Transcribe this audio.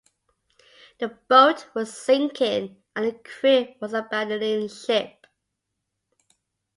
The boat was sinking and the crew was abandoning ship.